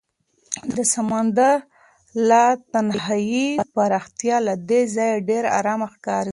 د سمندر لایتناهي پراختیا له دې ځایه ډېره ارامه ښکاري.